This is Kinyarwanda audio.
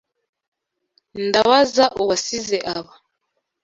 Ndabaza uwasize aba.